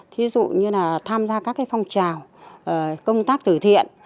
thí dụ như là tham gia các cái phong trào công tác tử thiện